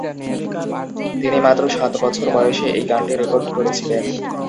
তিনি মাত্র সাত বছর বয়সে এই গানটি রেকর্ড করেছিলেন।